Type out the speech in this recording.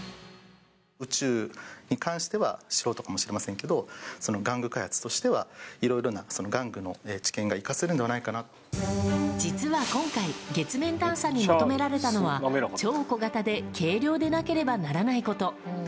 宇宙に関しては、素人かもしれませんけど、その玩具開発としては、いろいろな玩具の知見が生実は今回、月面探査に求められたのは、超小型で軽量でなければならないこと。